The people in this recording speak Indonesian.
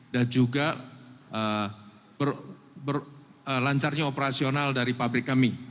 dan juga lancarnya operasional dari pabrik kami